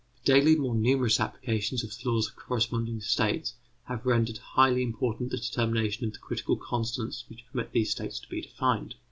The daily more numerous applications of the laws of corresponding states have rendered highly important the determination of the critical constants which permit these states to be defined.